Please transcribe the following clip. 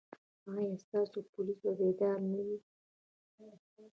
ایا ستاسو پولیس به بیدار نه وي؟